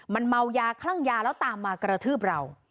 มันเมายาคลั่งยาแล้วตามมากระทืบเรา